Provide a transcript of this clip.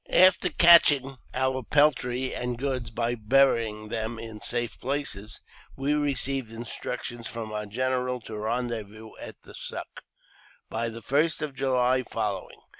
AFTEE "caching" our peltry and goods by burying them in safe places, we received instructions from our general to rendezvous at the *'Suck" by the first of July following.